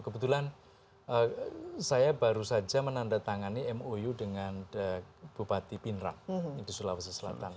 kebetulan saya baru saja menandatangani mou dengan bupati pinerang di sulawesi selatan